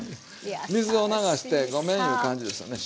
水を流してごめんいう感じですよね